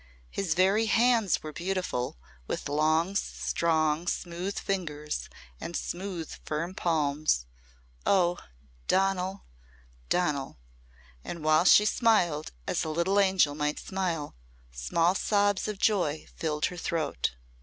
His very hands were beautiful with long, strong smooth fingers and smooth firm palms. Oh! Donal! Donal! And while she smiled as a little angel might smile, small sobs of joy filled her throat.